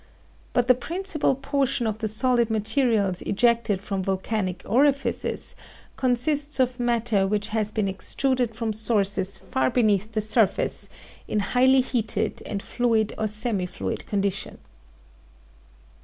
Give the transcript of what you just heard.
But the principal portion of the solid materials ejected from volcanic orifices consists of matter which has been extruded from sources far beneath the surface, in highly heated and fluid or semi fluid condition.